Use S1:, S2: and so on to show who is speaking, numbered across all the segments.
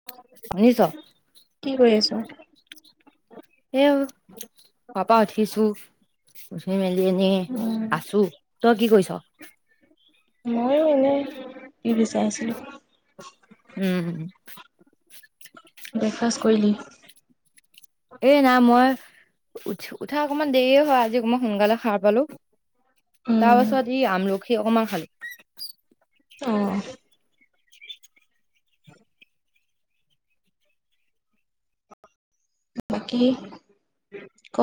S1: [inaudible]
S2: শুনিছ?
S1: কি কৰি আছ?
S2: এ ও শুৱাৰ পৰা উঠিছো উঠি মেলি এনে
S1: উম,
S2: আছো, তই কি কৰিছ?
S1: ময়ো এনে, টি ভি চাই আছিলো।
S2: উম।
S1: ব্ৰেকফাষ্ট কৰিলি?
S2: এই নাই মই উঠি উঠা অকমান দেৰি হয়, আজি অকমান সোনকালে সাৰ পালো।
S1: উম,
S2: তাৰপাছত ই আমলখি অকমান খালো।
S1: অঁহ। বাকী ক।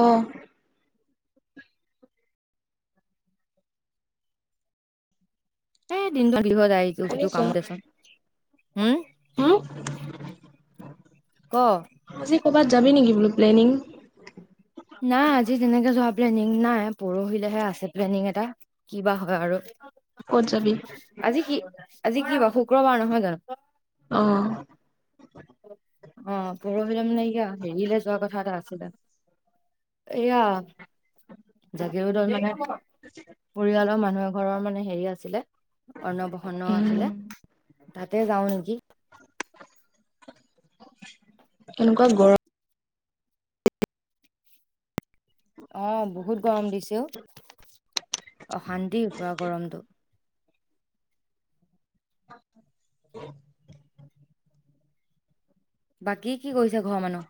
S2: এই দিনটো আৰু কি হৈ যায় ইটো সিটো
S1: শুনিছ?
S2: কাম
S1: হুম,
S2: দেচোন, হম? ক।
S1: আজি ক'বাত যাবি নেকি বোলো প্লেনিং?
S2: নাই আজি তেনেকে যোৱা প্লেনিং নাই, পৰহিলেহে আছে প্লেনিং এটা। কিবা হয় আৰু।
S1: কত যাবি?
S2: আজি কি আজি কি বাৰ শুক্ৰবাৰ নহয় জানো?
S1: অঁহ।
S2: অহ পৰহিলে মানে এইয়া হেৰিলে যোৱা কথা এটা আছিলে এইয়া জাগিৰোডত মানে পৰিয়ালৰ মানুহ এঘৰৰ মানে হেৰি আছিলে অৰ্ণপ্ৰসণ
S1: উম,
S2: আছিলে তাতে যাও নেকি।
S1: কেনেকুৱা গৰ
S2: অঁ বহুত গৰম দিছে ঔ! অশান্তি পোৰা গৰমটো।
S1: [unintelligible]
S2: বাকী কি কৰিছে ঘৰৰ মানুহ?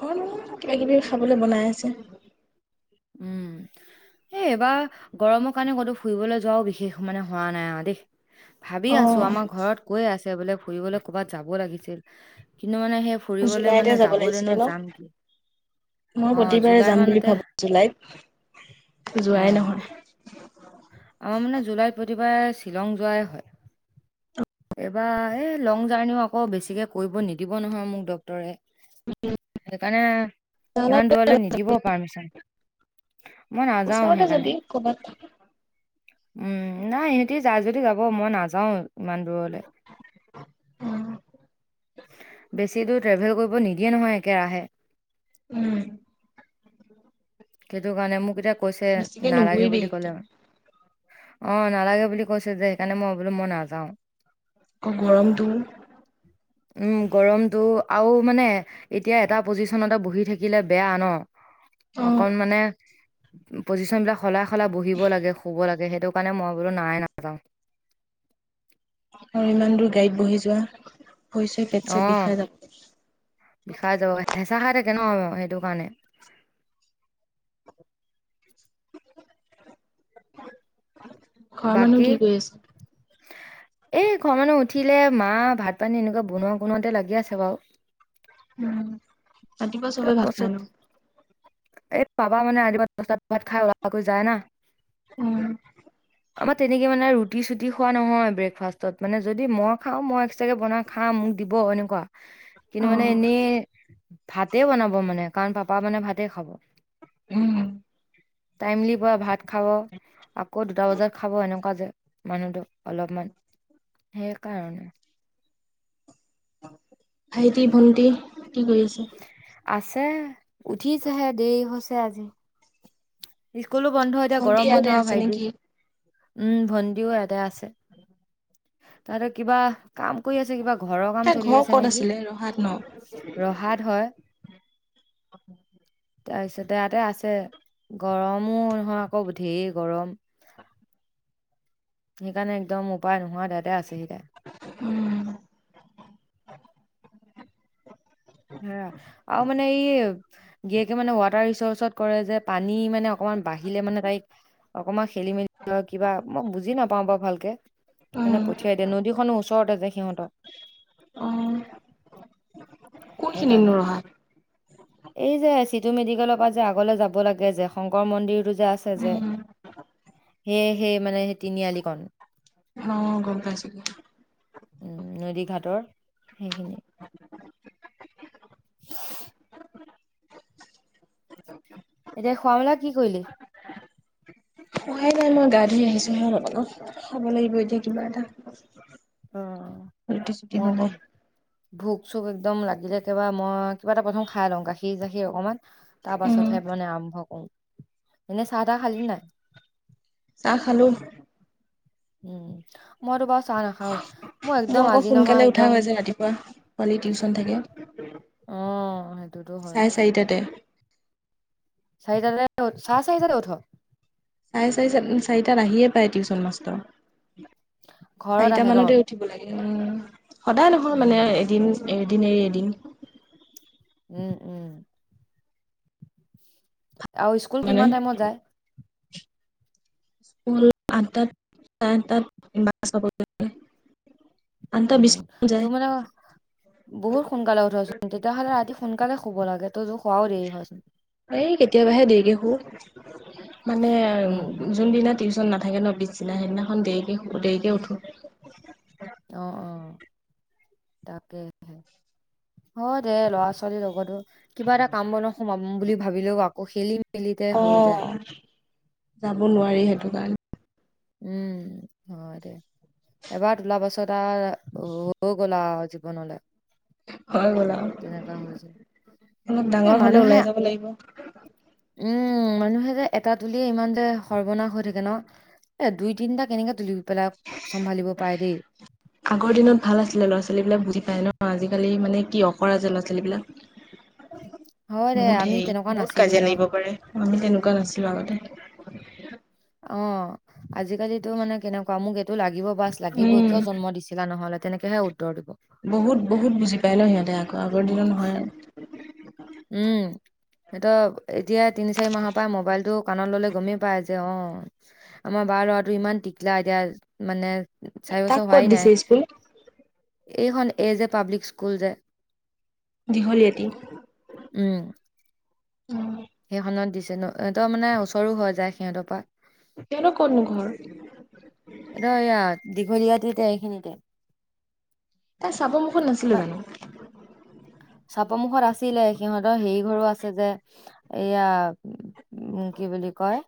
S1: ঘৰত মানুহ কিবা কিবি খাবলে বনাই আছে।
S2: উম! এই, এইবাৰ, গৰমৰ কাৰণে ক'তো ফুৰিবলৈ যোৱাও, বিশেষ মানে, হোৱা নাই আৰু দেই। ভাবি আছোঁ!
S1: অ',
S2: আমাৰ ঘৰত কৈয়ে আছে, বোলে ফুৰিবলৈ ক'ৰবাত যাব লাগিছিল। কিন্তু, মানে সেই, ফুৰিবলৈ
S1: জুলাইতে
S2: মানে
S1: যাব
S2: যাবলৈনো
S1: লাগিছিলে ন'?
S2: যাম কি
S1: মই
S2: অ
S1: প্ৰতিবাৰে
S2: জুলাই
S1: যাম বুলি
S2: মানতে
S1: ভাবোঁ! জুলাইত।
S2: অ
S1: যোৱাই নহয়‌।
S2: আমাৰ মানে, জুলাইত প্ৰতিবাৰে, শ্বিলং যোৱাই হয়। এইবাৰ, এই লং জাৰ্নিও আকৌ, বেছিকে কৰিব নিদিব নহয়, মোক। ড ক্তৰে। সেইকাৰণে, ইমান
S1: নালাগে
S2: দূৰলে নিদিব পাৰ্মিচন। মই নাযাওঁ।
S1: এ, যদি ক'ৰবাত
S2: উম, নাই। সিহঁতি যায় যদি যাব, মই নাযাওঁ ইমান দূৰলে।
S1: উম।
S2: বেছি দূৰ ট্ৰেভেল কৰিব নিদিয়ে নহয়, একেৰাহে।
S1: উম!
S2: সেইটোকাৰণে, মোক এতিয়া কৈছে,
S1: বেছিকে
S2: নালাগে
S1: নুঘূৰিবি
S2: বুলি
S1: এইকেইদিন।
S2: ক'লে। অ'! নালাগে বুলি কৈছে যে, সেইকাৰণে মই ভাবিলোঁ! মই মানে নাযাওঁ।
S1: আকৌ, গৰমটো।
S2: উম, গৰমটো! আৰু মানে, এতিয়া এটা পজিশনতে বহি থা কিলে বেয়া ন'!
S1: অ
S2: অকন মানে, পজিশনবিলাক সলাই-সলাই বহিব লাগে, শুব লাগে। সেইটো কাৰণে, মই বোলোঁ, নাই নাযাওঁ।
S1: আৰু ইমান দূৰ গাড়ীত বহি যোৱা, ভৰি-চৰি, পেট- ছেট,
S2: অঁ
S1: বিষাই যাব।
S2: বিষাই যাব! হেঁচা খাই থাকে ন' সেইটো কাৰণে।
S1: ঘৰৰ মানুহ
S2: বাকী?
S1: কি কৰি আছে?
S2: এই, ঘৰ মানুহ উঠিলে, মা ভাত-পানী এনেকুৱা, বনোৱা-বনোৱাতে লাগি আছে বাৰু।
S1: উম! ৰাতিপুৱা চবে
S2: তাৰ
S1: ভাত খাই ন?
S2: পাছত, এই পাবা মানে, আলিবাট। পাছত ভাত খাই, ওলাকৈ যায় না।
S1: [inaudible]
S2: আমাৰ তেনেকে মানে, ৰুট-ছুটি খোৱা নহয়, ব্ৰেকফাষ্টত। মানে, যদি মই খাওঁ, একষ্ট্ৰাকে বনাও। খা, মোক দিব এনেকুৱা।
S1: [inaudible]
S2: কিন্তু মানে এনেই, ভাতে বনাব মানে। কাৰণ, পাপা মানে, ভাতে খাব।
S1: উম!
S2: টাইমলি পৰা ভাত খাব। আকৌ, দুটা বজাত খাব। এনেকুৱা যে, মানুহটো অলপমান, সেইকাৰণে।
S1: ভাইটি-ভণ্টি কি কৰি আছে?
S2: আছে, উঠিছেহে, দেৰি হৈছে আজি। স্কুলো বন্ধ এতিয়া,
S1: ভণ্টি
S2: গৰম
S1: ইয়াতে
S2: বন্ধ
S1: আছে
S2: ভাইটি।
S1: নেকি?
S2: উম, ভণ্টিও ইয়াতে আছে। তাতে কিবা, কাম কৰি আছে, কিবা ঘৰৰ কাম
S1: তাই
S2: চলি
S1: ঘৰ
S2: আছে
S1: ক'ত
S2: নেকি?
S1: আছিলে ৰহাত ন?
S2: ৰহাদ হয়।
S1: [inaudible]
S2: তাৰ পিছতে, ইয়াতে আছে। গৰমো নহয় আকৌ ধেৰ গৰম! সেইকাৰণে, একদম উপায় নোহোৱাত, ইয়াতে আছেহি তাই।
S1: উম, [inaudible]
S2: উম' অ মানে এই। গিৰীয়েকে মানে ৱাটাৰ ৰিচৰ্চত কৰে যে, পানী মানে অকমান বাঢ়িলে মানে তাইক। অকমান খেলি মেলি লৈ কিবা, মই বুজি নাপাওঁ বাও ভালকে। এনে
S1: উম,
S2: পঠিয়াই দে, নদীখনো ওচৰতে যে সিহঁতৰ।
S1: অ', কোনখিনিতনো
S2: সেকাৰণে।
S1: ৰহাত?
S2: এই যে চিটু মেডিকেলৰ পৰা যে আগলে যাব লাগে যে, শংকৰ মন্দিৰটো যে আছে যে।
S1: [unintelligible]
S2: সেই হে মানে, সেই তিনি‌ আলিকণ।
S1: অ' গম পাইছো।
S2: উম, নদী ঘাটৰ সেইখিনি। [unintelligible] এতিয়া খোৱা মেলা কি কৰিলি?
S1: খোৱাই মই গা ধুই আহিছোঁহে অলপ আগত, খাব লাগিব এতিয়া কিবা এটা।
S2: উম,
S1: ৰুটি চুটি
S2: মোৰ
S1: বনাই
S2: অক। ভোক চোক একদম লাগিলে একেবা মই কিবা এটা প্ৰথম খাই লওঁ, গাখীৰ চাখীৰ অকণমান।
S1: উম
S2: তাৰপাছতহে মানে আৰম্ভ কৰো, এনেই চাহ তাহ খালি নাই?
S1: চাহ খালোঁ।
S2: উম' মই তো বাও চাহ নাখাওঁয়ে।
S1: মোৰ আক সোনকালে উঠা হৈ যে ৰাতিপুৱা, পোৱালি টিউচন থাকে।
S2: উম'।
S1: চাৰে চাৰিটাটে।
S2: চাৰিটাহে, চাৰে চাৰিটাটে উঠ।
S1: চাৰে চাৰি চাৰিটাত আহিয়ে পায় টিউচন মাষ্টৰ,
S2: ঘৰত
S1: চাৰিটা
S2: আহে ন?
S1: মানতে উ। উঠিব লাগে উম', সদায় নহয়
S2: উম,
S1: মানে, এদিন এদিন এৰি এদিন।
S2: উম, উম। আৰু স্কুল
S1: মানে
S2: কিমান টাইমত যায়?
S1: আঠটাত চাৰে আঠটাত বাছ পাব লাগে। আঠটা বিছ
S2: উম,
S1: মানত
S2: তোৰ
S1: যায়
S2: মানে বহুত সোনকালে উঠচোন। তেতিয়াহ'লে ৰাতি সোনকালে শুব লাগে, তইতো শুৱাও দেৰি হয়চোন।
S1: এই কেতিয়াবাহে দেৰিকে শু। মানে
S2: উম।
S1: যোনদিনা টিচ চন নাথাকে ন, পিছদিনা সেইদিনাখন দেৰিকে শো দেৰিকে উঠো।
S2: অ' অ'। তাকে হে, হয় দে ল'ৰা ছোৱালীৰ লগতো। কিবা এটা কাম বনত সোমাম বুলি ভাবিলেও আকৌ খেলি মেলিতে হৈ যায়
S1: অ', যাব নোৱাৰি সেইটো কাৰণে।
S2: উম, হয় দে। এবাৰ তোলা পাছত আৰু হ হৈ গ'ল আৰু জীৱনলে।
S1: হৈ গ'ল আৰু।
S2: যায়
S1: অলপ
S2: এ
S1: ডাঙৰ হ'লে
S2: মানুহে
S1: ওলাই যাব লাগিব।
S2: উম, মানুহেযে এটা তুলিয়ে ইমান যে সৰ্বনাশ হৈ থাকে ন'? এ দুই তিনটা কেনেকে তুলি পেলাই চম্ভালিব পাৰে দেই।
S1: আগৰ দিনত ভাল আছিলে ল'ৰা ছোৱালী বিলাক বুজি পাই ন। আজিকালি মানে কি অকৰা যে ল'ৰা ছোৱালীবিলাক।
S2: হয় দে
S1: বহুত
S2: আমি
S1: হেৰি।
S2: তেনেকুৱা
S1: বহুত
S2: নাছিলোয়ে
S1: কাজিয়া
S2: ন
S1: লাগিব পাৰে। আমি তেনেকুৱা নাছিলো আগতে।
S2: অ', আজিকালিতো মানে কেনেকুৱা মোক এইটো লাগিব বাচ। লাগিবই।
S1: উম
S2: কিয় জন্ম দিছিলা নহ'লে? তেনেকেহে উত্তৰ দিব।
S1: বহুত বহুত বুজি পায় ন সিহঁতে, আ আগৰ দিনৰ নহয় আৰু।
S2: উম সিহঁতক এতিয়াই তিনি-চাৰি মাহৰ পৰা মোবাইলটো কানত ল'লে গমেই পাই যে অ। আমাৰ বাৰ ল'ৰাটো ইমান টিকলা এতিয়া মানে চাৰি
S1: তাক
S2: বছৰ
S1: ক'ত
S2: হোৱাই নাই।
S1: দিছে স্কুল
S2: এইখন এ যে পাব্লিক স্কুল যে
S1: দীঘলীয়াতী
S2: উম। সেইখনত দিছে ন। ত ইহঁতৰ মানে ওচৰো হৈ যায় সিহঁতৰ পৰা।
S1: সিহঁতৰ ক'তনো ঘৰ?
S2: সিহঁতৰ ইয়া দীঘলীয়া তীতে এইখিনিতে।
S1: তাই চাপৰমুখত নাছিলে জানো?
S2: চাপৰমুুখত আছিলে, সিহঁতৰ হেৰি ঘৰো আছে যে এয়া উ কি বুলি কয়,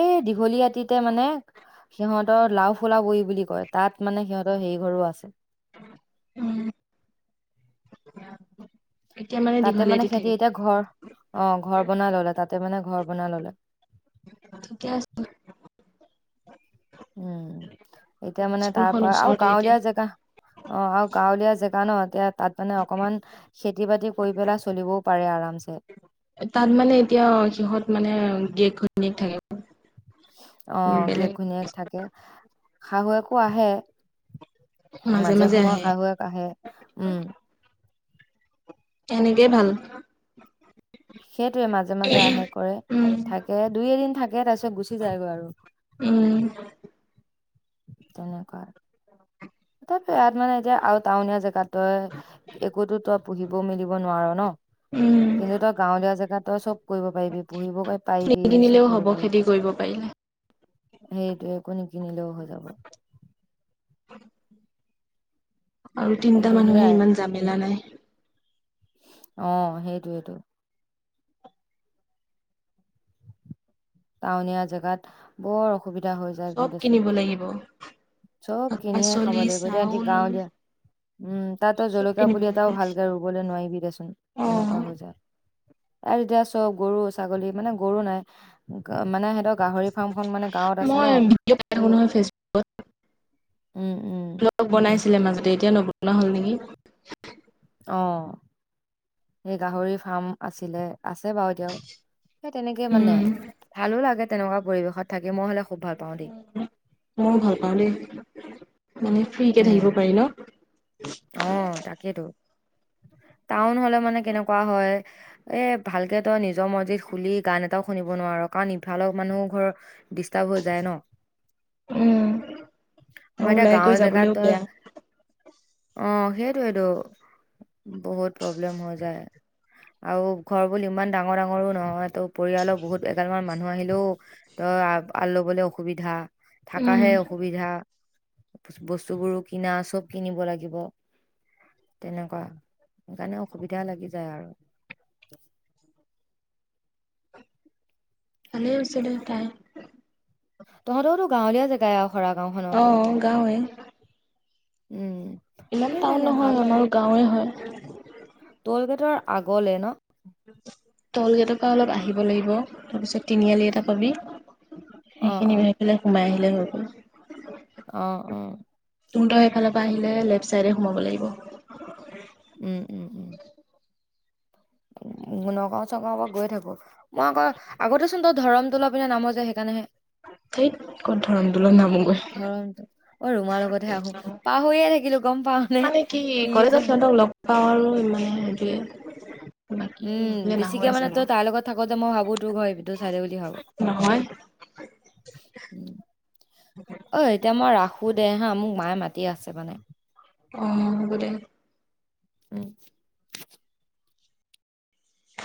S2: এই দীঘলীয়া আতিতে মানে সিহঁতৰ লাওঁফুলাবৰি বুলি কয়, তাত মানে সিহঁতৰ হেই ঘৰো আছে।
S1: উম। এতিয়া
S2: তাতে মানে
S1: দীঘলীয়াতি
S2: সিহঁতি
S1: থাকে
S2: এতিয়া ঘৰ, অ ঘৰ বনাই ল'লে তাতে মানে ঘৰ বনাই ল'লে।
S1: থিকে আছে।
S2: উম এতিয়া মানে তাৰ
S1: স্কুলখন
S2: পৰা আৰু
S1: ওচৰতে এতিয়া
S2: গাঁৱলীয়া জেগা অ আৰু গাঁৱলীয়া জেগা ন এতিয়া তাত মানে অকমান খেতি-বাতি কৰি পেলাই চলিবও পাৰে আৰামছে।
S1: তাত মানে এতিয়া সিহঁত মানে গিয়েক ঘৈণীয়েক থাকে?
S2: অ
S1: বেলেগ
S2: গিৰিয়েক ঘৈনীয়েক থাকে। শাহুৱেকো আহে মাজে সময়ে শাহুয়েক আহে, উম।
S1: তেনেকেই ভাল।
S2: সেইটোৱে মাজে মাজে আহে কৰে
S1: উম,
S2: থাকে, দুই এদিন থাকে তাৰ পিছত গুচি যায়গৈ আৰু।
S1: উম।
S2: তেনেকুৱা।
S1: [inaudible]
S2: সেইয়া মানে এতিয়া আৰু টাউনীয়া জেগাত তই একোতো তই পুহিব মেলিব নোৱাৰ ন।
S1: উম,
S2: কিন্তু তই গাঁৱলীয়া জেগাত তই চব কৰিব পাৰিবি, পু়হিবগৈ পাৰিবি চব
S1: নিকিনিলেও হ'ব
S2: কৰিব পাৰিবি।
S1: খেতি কৰিব পাৰিলে।
S2: সেইটোয়ে একো নিকিনিলেও হৈ যাব।
S1: [unintelligible] আৰু তিনিটা
S2: কিন্তু
S1: মানুহে
S2: সেয়াই
S1: ইমান জামেলা নাই।
S2: অহ সেইটোয়েটো। টাউনীয়া জেগাত বৰ অসুবিধা হৈ যায়
S1: চব
S2: গৈ দেচোন।
S1: কিনিব লাগিব
S2: চব
S1: শাক
S2: কিনিয়ে খাব
S1: পাচলি
S2: লাগিব, এতিয়া এতি
S1: চাউল
S2: গাঁৱলীয়া উম তাতো
S1: চব
S2: জলকীয়া
S1: কিনিব
S2: পুলি
S1: লাগিব।
S2: এটাও ভালকে ৰুবলৈ নোৱাৰিবি দেচোন
S1: অ',
S2: তেনেকুৱা হৈ যায়। আৰু এতিয়া চব গৰু-ছাগলী মানে গৰু নাই মানে সিহঁতক গাহৰি ফাৰ্মখন মানে গাঁৱত আছে ন
S1: মই ভিডিঅ' পাই থাকো
S2: সেই
S1: নহয় ফেচবুক
S2: উম উম।
S1: ব্লগ বনাইছিলে মাজতে এতিয়া নবনা হ'ল নেকি।
S2: অহ সেই গাহৰি ফাৰ্ম আছিলে আছে বাৰু এতিয়াও। সেই তেনেকে মানে,
S1: উম,
S2: ভালো লাগে তেনেকুৱা পৰিৱেশত থাকি মই হলে খুব ভাল পাও দেই।
S1: ময়ো ভাল পাওঁ দেই, উম।
S2: উম অহ তাকেইতো। টাউন হ'লে মানে কেনেকুৱা হয় এ ভালকে তই নিজৰ মজিত শুলি গান এটাও শুনিব নোৱাৰো কাৰণ ইফালৰ মানুহ ঘৰৰ ডিষ্টাৰ্ব হৈ যায় ন?
S1: উম।
S2: মই
S1: আৰু
S2: এতিয়া
S1: ওলাই কৰি
S2: গাঁৱত যে।
S1: যাবলৈও বেয়া।
S2: অঁ সেইটোৱেটো বহুত প্ৰব্লেম হৈ যায়। আৰু ঘৰ বোৰ ইমান ডাঙৰ ডাঙৰো নহয় তো পৰিয়ালৰ বহুত এগালমান মানুহ আহিলেও- তই আলবলৈ অসুবিধা
S1: উম,
S2: থাকাহে অসুবিধা। বস্তুবোৰো কিনা চব কিনিব লাগিব। তেনেকুৱা। সেইকাৰণে অসুবিধা লাগি যায় আৰু।
S1: ভালেই হৈছে দে তাইৰ।
S2: তহঁতৰতোৰটো গাঁৱলীয়া জেগাই আৰু খৰা গাও খনৰ
S1: অ', গাঁৱে।
S2: উম।
S1: ইমান টাউন
S2: সেইকাৰণে
S1: নহয়
S2: ভাল
S1: আমাৰ গাঁৱেই হয়।
S2: টোলগেটৰ আগলে ন?
S1: টোলগেটৰ পৰা অলপ আহিব লাগিব, তাৰপিছত- তিনিআলি এটা পাবি
S2: অ অ
S1: সেইখিনি সেইফালে সোমাই আহিলেই হৈ গ'ল।
S2: অ অ
S1: তহতৰ এইফালৰ পৰা আহিলে
S2: তাকেতো
S1: লেফট চাইডে সোমাব লাগিব।
S2: উম উম উম। নগাঁও চগাঁওৰ পৰা গৈ থাকো। মই আকৌ আগতে চোন তই ধৰম তোলৰ পিনে নামো যে সেইকাৰণেহে।
S1: ধেইত ক'ত ধৰম দোলত নামোগৈ
S2: ধৰণ তল অই ৰুমাৰ লগতহে আহো। পাও- হৈয়ে থাকিলোঁ গম পাও। নে
S1: মানে কি কলেজত সিহঁতক লগ পাও আৰু মানে সেইটোয়ে।
S2: উম বেছিকে মানে তই তাৰ লগত থাকোতে মই ভাবো তোৰ ঘৰ এই ভিতৰ চাইদে বুলি ভাবো।
S1: নহয়।
S2: অই এতিয়া মই ৰাখো দে হা মোক মায়ে মাতি আছে মানে।
S1: অঁ হ'ব দে।
S2: উম।